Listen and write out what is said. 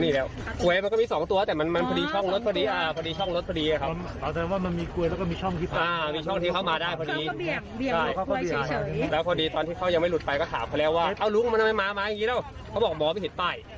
แล้วพอดีตอนที่เขายังไม่หลุดไปก็ถามเขาแล้วว่าเอาลุงมันทำไมมามาอย่างนี้แล้วเขาบอกหมอไม่เห็นป้าย